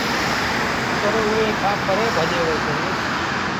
پر اُئي کآݩ پري ڀڄي وهيٚسينٚ